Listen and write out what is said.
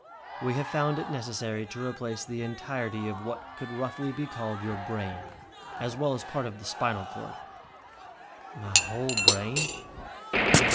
We have found it necessary to replace the entirety of what could roughly be called your 'brain', as well as part of the spinal cord." "My whole brain?"